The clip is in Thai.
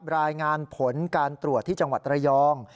รายงานผลการตรวจที่จังหวัดระยอง